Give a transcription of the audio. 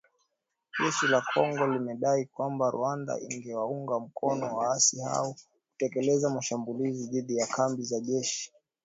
Jeshi la Kongo limedai kwamba Rwanda inawaunga mkono waasi hao kutekeleza mashambulizi dhidi ya kambi za jeshi